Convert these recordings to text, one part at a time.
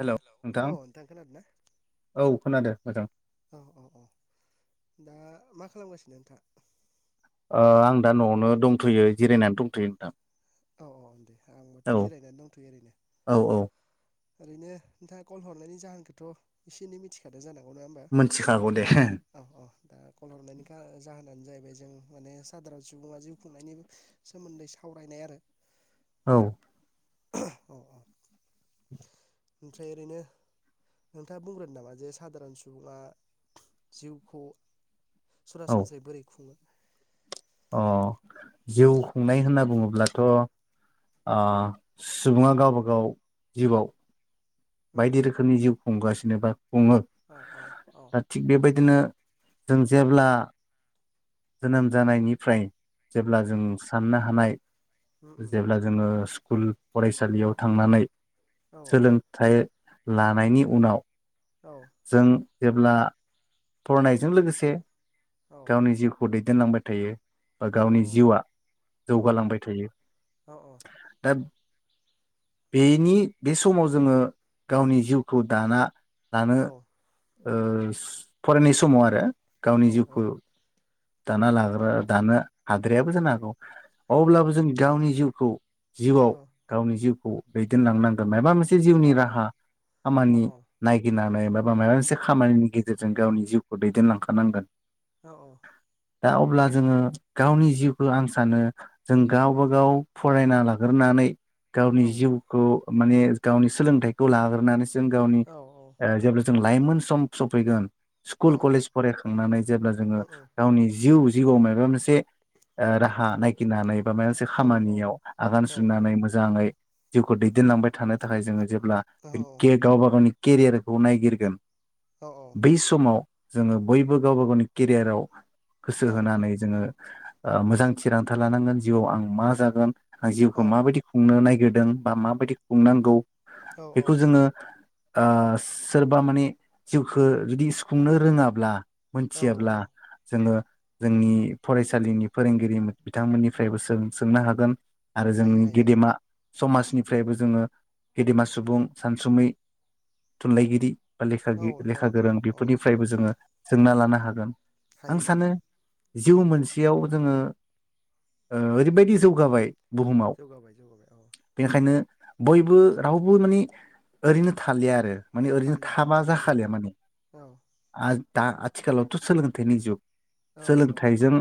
हेल' औ नोंथां नोंथां खोनादों ना? औ खोनादो मोजां औ औ औ दा मा खालामगासिनो नोंथाङ अ आं दा न'आवनो दंथ'यो जिरायनानै दंथ'यो नोंथां औ औ दे आंबोथ' औ जिरायनानै दंथ'यो ओरैनो औ औ ओरैनो नोंथाङा कल हरनायनि जाहोनखौथ' एसे एनै मिथिखादों जानां गौ नङाहोनबा मोनथिखागौ दे औ दा कल हरनायनि जाहोनानो जाहैबाय जों माने सादारन सुबुङा जिउ खुंनायनि सोमोन्दै सावरायनाय आरो औ औ औ ओमफ्राय ओरैनो नोंथाङा बुंग्रोनो नामा जे सादारन सुबुङा जिउखौ औ सरासनस्रायै बोरै खुङो अ जिउ खुंनाय होनना बुङोब्लाथ' अ सुबुङा गावबा गाव जिउआव उम बायदि रोखोमनि जिउ खुंगासिनो बा खुङो औ औ औ दा थिग बेबायदिनो जों जेब्ला जोनोम जानायनिफ्राय औ जेब्ला जों साननो हानाय उम उम जेब्ला जोङो स्कुल फरायसालियाव थांनानै औ सोलों नों लानायनि उनाव औ जों जेब्ला फरायनायजों लोगोसे औ गावनि जिउखौ दै देनलांबाय थायो बा औ गावनि जिउआ औ जौगालांबाय थायो औ दा बेनि बे समाव जोङो गावनि जिउखौ दाना दानो औ ओस फरायनाय समाव आरो गावनि हायो जिउखो दाना लाग्रा दानो हाद्रायाबो जानो हागौ। हायो औ औ अब्लाबो जों गावनि जिउ खौ जिउआव दङ गावनि जिउखौ दैदेन लांनांगोन मायबा मोनसे से दङ जिउनि राहा औ खामानि नायगिरनानै बा माबा मोनसे खामानिनि गेजेरजों गावनि जिउखौ दैदेनलांख थानांगोन। दा अब्ला जोङो गावनि जिउखो आं सानो जों गावबागाव फरायना लाग्रोनानै गावनि जिउखौ माने गावनि सोलोंथाइखौ लाग्रोनानै जों गावनि ओ जेब्ला जों लाइमोन सम सफैगोन स्कुल कलेज फरायखांनानै जेब्ला जोङो जिउ जिउआव मायबा मोनसे ओ राहा नायगिरनानै बा मायबा मोनसे खामानियाव आगान सुरनानै मोजाङै जिउखौ दैदेनलांबाय थानो थाखाय जोङो जे ब्ला के गावबा गावनि केरियारखौ नायगिरगोन बै समाव जोङो बयबो गावबा गावनि केरियाराव गोसो होनानै जोङो ओ मोजां थिरांथा लानांगोन जिउआव आं मा जागोन। आं जिउखौ माबायदि खुंनो नाय बोदों बा माबायदि खुंनांगौ बेखौ जोङो ओ सोरबा माने जिउखौ जुदि सुफुंनो रोङाब्ला मिथियाब्ला जोंङो जोंनि फरायसालिनि फोरोंगिरि बिथांमोननिफ्रायबो सों-सोंनो हागोन। आरो जोंनि गेदेमा समाजनिफ्रायबो जोंङो गेदेमा सुबुं सानसुमै थुनलाइगिरि बा लेखा गि लेखा गोरों औ बेफोरनिफ्रायबो जोंङो सोंना लानो हा हागोन। आं हायो हायो सानो जिउ उम मोनसेयाव जोंङो ओ ओरैबायदि जौगाबाय। बुहुमाव जौगाबाय जौगाबाय औ बेनिखायनो बयबो रावबो माने ओरैनो थालिया आरो। माने ओरैनो थालिया थाबा थालिया जाखालिया माने औ आ दा आथिखालावथ' सोलों थाइनि जुग औ औ सोलोंथाइजों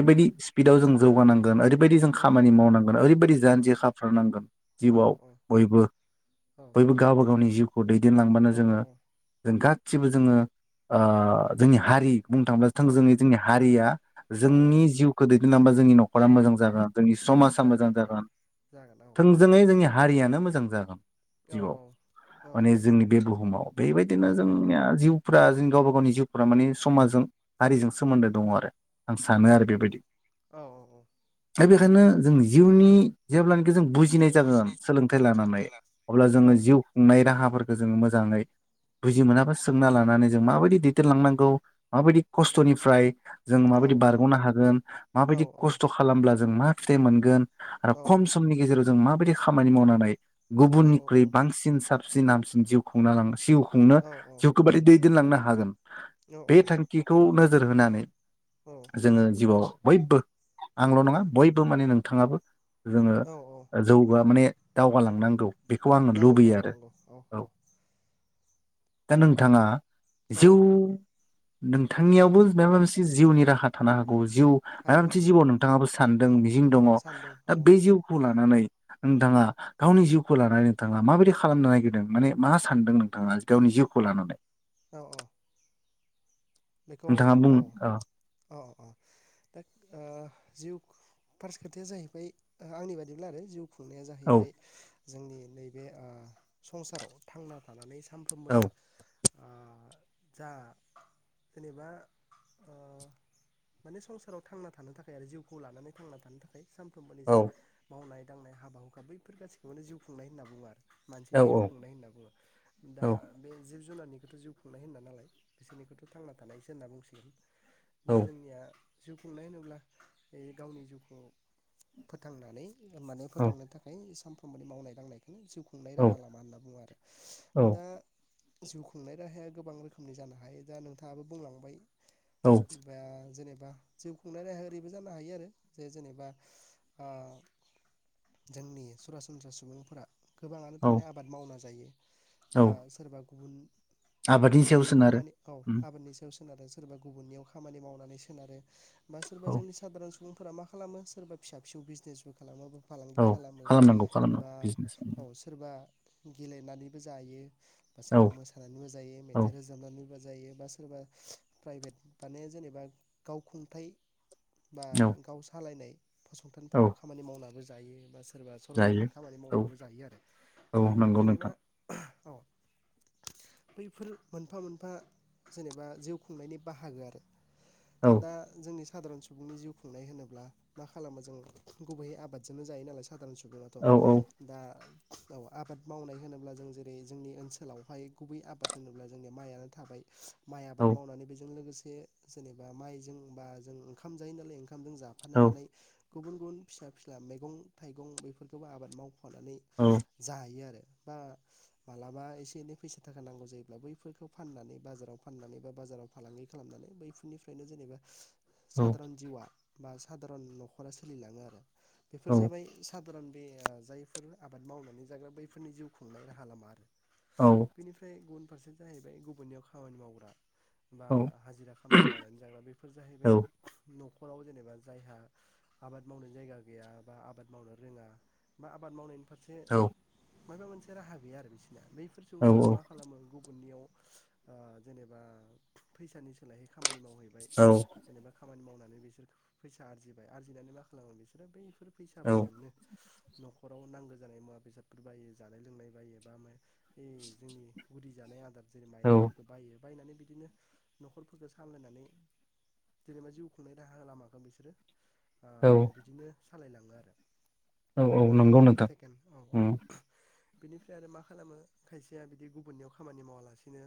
औ स्पिडआव जों जौगानांगोन ओरै बायदि जों औ औ खामानि मावनांगोन ओरैबायदि उम जानजि खाफ्रानांगोन औ जिउआव औ बयबो औ बयबो गावबा गावनि जिउ [unintelligible] औ [unintelligible] जोंङो [unintelligible] थिबो जोंङो ओ जोंनि हारि बुंनो थांब्ला औ थोंजोङै जोंनि हारिया औ औ जोंनि जिउखौ दैदेनलांबा जोंनि न'खरा मोजां जागोन। जोंनि समाजा मोजां जागोन जागोन औ थोंजोङै जोंनि हा हारियानो मोजां जागोन। औ जिउआव औ माने जोंनि बे बुहुमाव बेबायदिनो औ जोंनिया जिउ फोरा जों गावबा गावनि जिउफोराव माने समाजजों हारिजों सोमोन्दो दङ आरो आं सानो आरो बेबायदि। औ। दा बेखायनो जों जिउनि जेब्लानि [unintelligible] बुजिनाय जागोन सोलोंथाय लानानै सोलोंथाइ अब्ला लानो जोंङो जिउ खुंनाय राहाफोर जोङों मोजाङै बुजि मोनाबा सोंना लानानै जों माबायदि दैदेनलांनांगौ माबायदि खस्थ'निफ्राय जों औ माबायदि बारग'नो हागोन औ माबायदि खस्थ' खालामब्ला जों मा फिथाइ मोनगोन? आरो औ खम समनि गेजेराव जों माबायदि खामानि मावनानै औ औ गुबुननिख्रुइ बांसिन [unintelligible] [unintelligible] जिउ खुंना लांगोन जिउ खुंनो औ जिउखौ [unintelligible] [unintelligible] हागोन बे थांखिखौ नोजोर होनानै जोङो जिउआव बयबो आंल' औ नङा बयबो मानि नों थाङाबो जोङो औ औ ओ जौगा माने दावगालांनांगौ बेखौ आङो नांगौ लुबैयो नांगौ आरो नांगौ औ औ दा नोंथाङा जौ औ नोंथांनियावबो माबा मोनसे जिउनि राहा थानो हागौ जिउ माबा हायो मोनसे हायो जिउआव औ नोंथाङाबो सानदों मिजिं दङ सानदों दा औ बे जिउखौ ल नानै नोंथाङा गावनि जिउखौ लानानै नोंथाङा माबायदि खालामनो नागिरदों माने मा सानदों नोंथाङा गावनि जिउखौ लानानै औ औ बेखौ नोंथाङा औ बुं औ औ औ दा जिउ फार्स्ट खोथाया जाहैबाय आंनि बादिब्ला आरो जिउ खुंनाया औ जाहैबाय जोंनि नैबे संसाराव थांना थानानै औ सानफ्रोमबोनि आ जा जेनेबा माने संसाराव थांना थानो थाखाय आरो जिउखौ लानानै थांना थानो थाखाय सानफ्रोमबोनि औ जा मावनाय दांनाय हाबा हुखा बैफोर गासैखौबोनो जिउ खुंनाय होनना बुङो आरो औ मानसिनि जिउ खुंनाय होनना बुङो दा बे जि जनाारनिखौथ' जिउ खुंनाय होनना नालाय बिसोरनिखौथ' बे थांना थानायसो होनना बुंसिगोन औ दा जोंनिया जिउ खुंनाय होनोब्ला गावनि जिउखौ फोथांनानै माने औ फोथांनो थाखाय सम मावनाय दांनाय बेनो जिउ खुंनाय राहा लामा होनना बुङो आरो औ दा जिउ खुंनाय राहाया गोबां रोखोमनि जानो हायो दा नों थाङाबो बुंलांबाय औ दा जेनेब बा जिउ खुंनानै ओरैबो जानो हायो आरो जे जेनेबा ओ जोंनि सरासनस्रा सुबुंफोरा गोबाङानो औ थारमाने आबाद मावना जायो औ बा सोरबा गुबुन आबादनि सायाव सोनारो उम गुबुननि सायाव सोनारो सोरबा गुबुननियाव खामानि मावनानै सोनारो बा सोरबा औ जोंनि सादारन सु सुबुंफोरा मा खालामो सोरबा फिसा फिसौ बिजनेसबो खालामोबो फालांगि औ खालामो खालामनांगौ खालामनांगौ बा बिजनेस औ सोरबा गेलेनानैबो जायो बा औ सोरबा मोसानानैबो जायो औ मेथाइ रोजाबनानै बो जायो बा सोरबा प्राइभेट माने जेनेबा गावखुंथाइ बा गाव सालायनाय औ फसंथानफोराव खामानि मावनांगो ज जायो बा ज सोरबा सरखारनि जायो खामानि औ मावनाबो जायो आरो औ दा नंगौ जेनेबा नोंथां औ बैफोर मोनफा मोनफा जेनेबा जिउ खुंनायनि बाहागो आरो औ दा जोंनि स साधारन सुबुंनि जिउ खुंनाय होनोब्ला मा खालामो जों गुबैयै आबादजोंनो जायो नालाय सादारन सुबुङाथ' औ औ दा औ आबाद मावनाय होनोब्ला जों जेरै जोंनि ओनसोलावहाय गुबै आबाद होनोब्ला जोंनिया माइयानो थाबाय माइ आबाद मावनानै बेजों लोगोस से जेनेबा माइजों बा जों ओंखाम जायो नालाय ओंखामजों जाफानो हानाय गुबुन गुबुन फिसा फिला मैगं -थाइगं बेफोरखौबो आबाद माव हनानै जायो आरो बा मालाबा एसे एनै फैसा थाखा नांगौ जायोब्ला बैफोरखौ फाननानै बाजाराव फाननानै बा बाजाराव फालांगि खालामनानै बैफोरनिफ्रायनो जेनेबा सधारन जिवा बा साादारन न'खरा सोलिलाङो आरो बेफोर जाबाय सधारन बे जायफोर आबाद मावनानै जाग्रा बैफोरनि जिउ खुंनाय राहा लामा आरो बेनिफ्राय [unintelligible] फारसे जाहैबाय गुबुननियाव खामानि मावग्रा बा औ-औ-औ-औ-औ-औ-औ-औ-औ-औ-औ-औ-औ हाजिरा खामला मावनानै जाग्रा बेफोर जाहैबाय नखर न'खराव जेनेबा जायहा आबाद मावनो जायगा गैया बा आबाद मावनो रोङा बा आबाद मावनायनि फसे माबा मोनसे राहा गैया आरो बिसोर बैफोर सुबुंफोरा मा खालामो गुबुननियाव जेनेबा फैसानि सोलाय खामानि मावो बाय जेनेबा खामानि मावनानै बिसोर फैसा आरजिबाय आरजिनानै मा खालामो बिसोरो बैफोर फैसाफोरजोंनो न'खराव नांगौ जानाय मुवा बेसादफोर बायो जानाय लोंनाय बायो बा इ जोंनि गुदि जानाय आदार जेरै माइरंफोरखौ बायनानै बिदिनो न'खरफोरखौ सामलायनानै जेनेबा जिउ खुंनाय राहा लामाखौ बिसोरो आ बिदिनो सालायलाङो आरो बे नंगौ जालायबाय नोंथां सेकेणड औ औ उम बिनिफ्राय आरो मा खालामो खायसेया बिदि गुबुननियाव खामानि मावालासिनो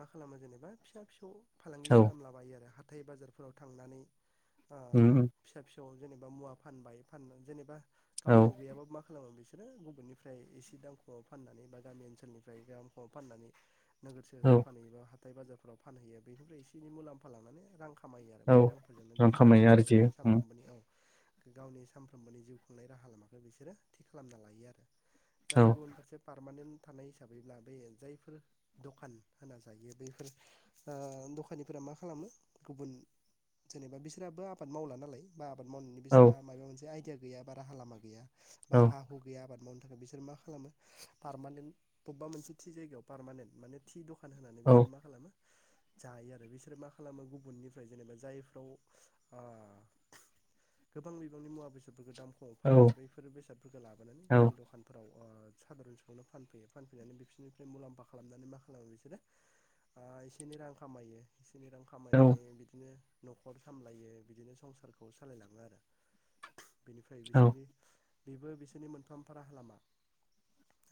मा खालामो जेनेबा फिसा फिसौ फालांगि औ खालामलाबायो आरो हा थाइ बाजारफोराव थांनानै उम उम औ जेनेबा मुवा फानबाय फान जेनेबा गावनियाव गैयाबा मा खालामो बिसोर बिसोरो गुबुननिफ्राय एसे दाम खमाव फाननानै बा गामि ओनसोलनिफ्राय खमाव फाननानै नोगोर औ-औ-औ फानहै बा ह थाय बाजारफोराव फानहैयो बेनिफ्राय एसे एनै मुलाम्फा लानानै रां खामायो खामायो आरो बै रांफोरजोंनो रां बिसोरो खामायो गावबा आरजियो गावनि उम सानफ्रोमबोनि औ गावनि सानफ्रोमबोनि जिउ खुंनाय राहा लामाखौ बिसोरो थि खालामना लायो आरो दा आरो गुबुन फारसे पारमानेन्ट थानाय हिसाबैब्ला बेयो जायफोर दखान होना जायो बैफोर आ दखानिफोरा मा खालामो गुबुन जेनेबा बिसोरबो आबाद मावला नालाय बा मावनानै बिस्रा माबा मोनसे आयडिया मोनो गैया ब राहा लामा गैया बा हा हु गैयाबाद बिसोर मा खालामो पारमानेन्ट बबेबा मोनसे थि जायगायाव पारमानेन्ट माने थि दखान दखान होनानै बिसोर मा खालामो जायो आरो बिसोरो मा खालामो गुबुननिफ्राय जेनेबा जायफ्राव आ गोबां बिबांनि मुवा बेसादफोरखौ दाम खमावनो फानो बैफोर बेसादफोरखौ लाबोनानै गावनि दखानफोराव अ साधारन समावनो फानफैयो फानफैनानै बिसोरनिफ्राय मुलाम्फा खालामनानै मा खालामो बिसोर आ एसे एनै रां खामायो बिदिनो रां खामायनानै औ-औ-औ-औ-औ-औ-औ-औ-औ-औ-औ-औ-औ-औ बिदिनो न'खर सामलायो बिदिनो संसारखौ सालायलाङो आरो बेनिफ्राय बिसोरनि बेबो बिसोरनि मोनफा मोनफा राहा लामा।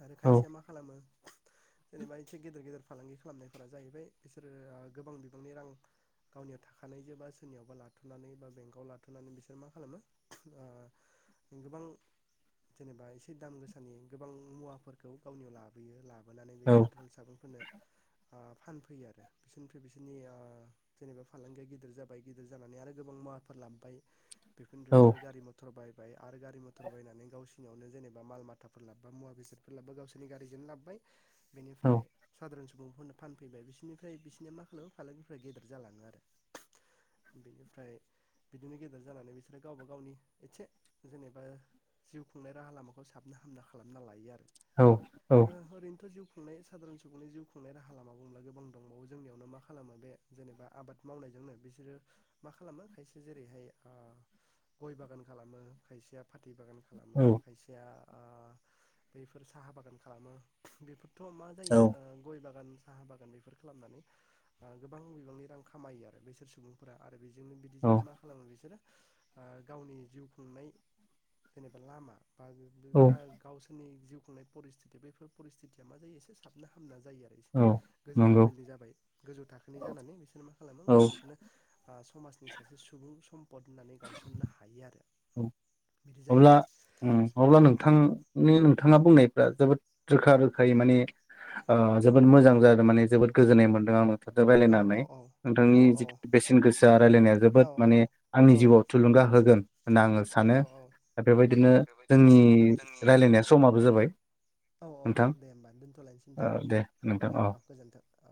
आरो खायसेया मा खालामो जेनेबा इसे गेदेर गेदेर फालांगि खालामनायफोरा जाहैबाय बिसोरो ओ गोबां बिबांनि रां गावनियाव थाखानायजो बा सोरनियावबा लाथ'नानै बा बेंकआव लाथ'नानै बिसोर मा खालामो ओ गोबां जेनेबा एसे दाम गोसानि गोबां मुवाफोरखौ गावनियाव लाबोयो ला बोनानै बे साधारन सुबुंफोरनो ओ फानफैयो आरो बिसोरनिफ्राय बिसोरनि ओ जेनेबा फालांगिया गिदिर जाबाय गिदिर जानानै आरो गोबां मुवाफोर लाबबाय बेफोरनिफ्राय बिसोर गारि मटर बाय बाय आरो गारि मथर बायनानै गावसनियावनो जेनेबा माल माथाफोर लाबबा मुवा बेसादफोर लाबबा गावसोरनि गारिजोनो लाबबाय। बेनिफ्राय सुबुंफोरनो फानफैबाय बिसोरनिफ्राय बिसोरनिया मा होनो फालांगिफ्रा आरो गेदेर जालाङो आरो बिनिफ्राय बिदिनो गेदेर जानानै बिसोरो गावबा गावनि एसे जेनेबा जिउ खुंनाय राहा लामाखौ साबना हामना खालामना लायो आरो आरो ओरैनोथ' जिउ खुंनाय साधारन सुबुंनि जिउ खुंनाय राहा लामा बुंब्ला गोबां दंबावो जोंनियावनो मा खालामो बे जेनेबा आबाद मावनायजोंनो बिसोरो मा खालामो खायसे जेरैहाय ओ गय बागान खालामो खायसेया फाथै बागान खालामो खायसेया ओ बैफोर साहा बागान खालामो बेफोर थ' मा जायो बागाननि साहा बागान बेफार खालामनानै ओ गोबां बिबांनि रां खामायो आरो बैसोर सुबुंफोरा आ रो बेजोंनो बिदिजोंनो मा खालामो बिसोरो ओ गावनि जिउ खुंनाय जेनेबा लामा बारोदो जा गावसोरनि जिउ खुंनाय परस्थिथि बेफोर परस्थिथिया मा जायो एसे साब ना हामना जायो आरो बिसोरनिया गोजौ नंगौ लेभेलनि जाबाय गोजौ थाखोनि जानानै बिसोर मा खालामो औ गावसोरखौनो ओ समाजनि सासे सुबुं सम पद होननानै गायसननो हायो आरो। औ बिदि जायो अब्ला ओं अब्ला औ नोंथांनि नोंथाङा बुंनायफ्रा जोबोद रोखा रोखायै माने ओ जोबोद मोजां जादों माने जोबोद गोजोननाय मोन्दों आङो। नोंथांदो औ रायलायनानै औ नोंथांनि औ जिथु बेसेन गोसा रायलायनाया औ जोबोद माने आंनि औ जिउआव थुलुंगा होगोन। होनना आङो सानो औ औ दा बेबायदिनो बेबायदिनो जोंनि जोंनि रायलायनाय समाबो जाबाय औ औ नोंथां दे होमबा दोनथ'लायनोसै ओ नोंथां दे नोंथां दे औ। गोजोन्थों औ